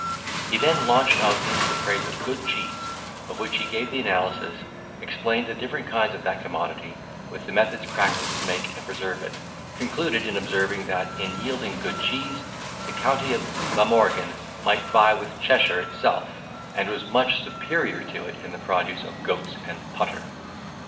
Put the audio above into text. Then he launched out into the praise of good cheese, of which he gave the analysis; explained the different kinds of that commodity, with the methods practised to make and preserve it, concluded in observing, that, in yielding good cheese, the county of Glamorgan might vie with Cheshire itself, and was much superior to it in the produce of goats and putter.